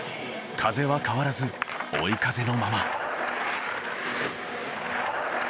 風は変わらず追い風のまま。